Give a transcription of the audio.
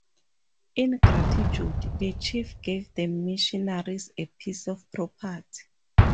In gratitude, the chief gave the missionaries a piece of property.